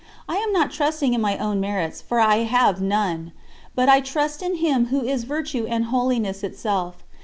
I am not trusting in my own merits, for I have none; but I trust in Him Who is Virtue and Holiness itself.